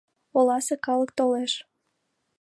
Оласе калык толеш.